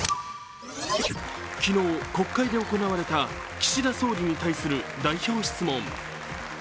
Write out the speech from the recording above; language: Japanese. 昨日、国会で行われた岸田総理に対する代表質問。